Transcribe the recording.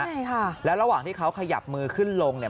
ใช่ค่ะแล้วระหว่างที่เขาขยับมือขึ้นลงเนี่ย